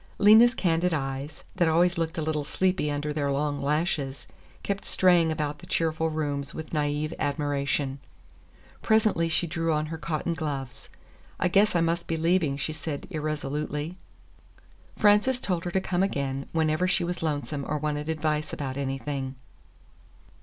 Lena's candid eyes, that always looked a little sleepy under their long lashes, kept straying about the cheerful rooms with naïve admiration. Presently she drew on her cotton gloves. "I guess I must be leaving," she said irresolutely. Frances told her to come again, whenever she was lonesome or wanted advice about anything.